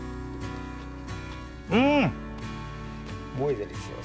うん！